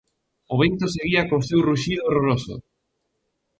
O vento seguía co seu ruxido horroroso.